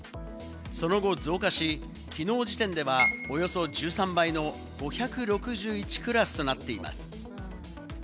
その後、増加し、きのう時点ではおよそ１３倍の５６１クラスとなっています。